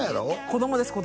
子供です